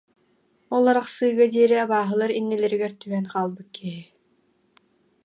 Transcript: Ол арахсыыга диэри абааһылар иннилэригэр түһэн хаалбыт киһи